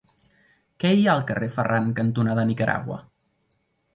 Què hi ha al carrer Ferran cantonada Nicaragua?